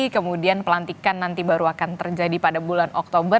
kemudian pelantikan nanti baru akan terjadi pada bulan oktober